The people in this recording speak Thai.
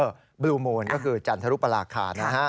เออบลูมูลก็คือจันทร์ธรุปลาคา